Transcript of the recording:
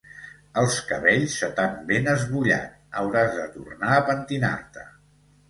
Els cabells se t'han ben esbullat: hauràs de tornar a pentinar-te.